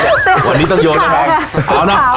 ต้องโยนอีกแหละ